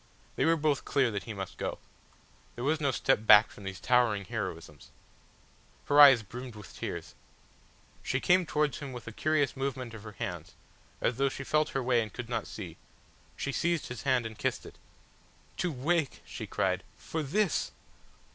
They were both clear that he must go. There was no step back from these towering heroisms. Her eyes brimmed with tears. She came towards him with a curious movement of her hands, as though she felt her way and could not see; she seized his hand and kissed it. "To wake," she cried, "for this!"